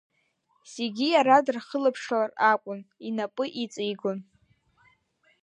Зегьы иара дырхылаԥшлар акәын, инапы иҵигон.